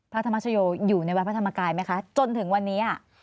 พระธรรมชโยอยู่ในวัดพระธรรมกายไหมคะจนถึงวันนี้